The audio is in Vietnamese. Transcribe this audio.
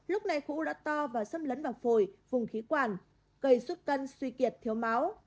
lúc này khu đã to và xâm lấn vào phổi vùng khí quản gây xuất cân suy kiệt thiếu máu